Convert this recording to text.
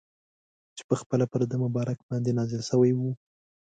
چي پخپله پر ده مبارک باندي نازل سوی وو.